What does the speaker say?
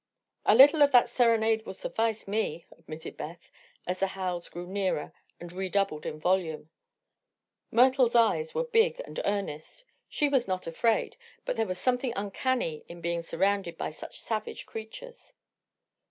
"A little of that serenade will suffice me," admitted Beth, as the howls grew nearer and redoubled in volume. Myrtle's eyes were big and earnest. She was not afraid, but there was something uncanny in being surrounded by such savage creatures.